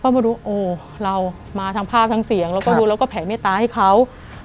มาดูโอ้เรามาทั้งภาพทั้งเสียงแล้วก็ดูแล้วก็แผ่เมตตาให้เขา